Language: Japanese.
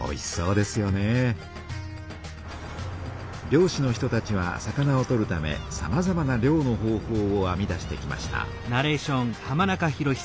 漁師の人たちは魚を取るためさまざまな漁の方法をあみ出してきました。